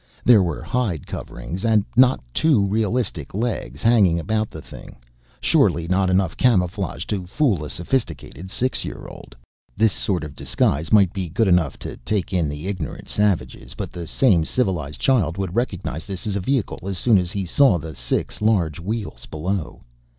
There were hide coverings and not too realistic legs hanging about the thing, surely not enough camouflage to fool a sophisticated six year old. This sort of disguise might be good enough to take in the ignorant savages, but the same civilized child would recognize this as a vehicle as soon as he saw the six large wheels below.